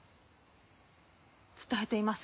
伝えていません。